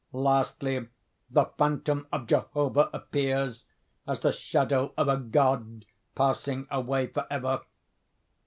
Lastly the phantom of Jehovah appears, as the shadow of a god passing away forever.